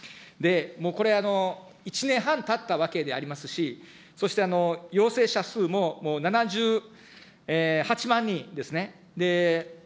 これ、１年半たったわけでありますし、そして陽性者数ももう７８万人ですね。